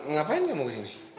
ngapain kamu kesini